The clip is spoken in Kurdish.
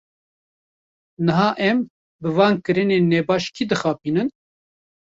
Niha em, bi van kirinên nebaş kê dixapînin?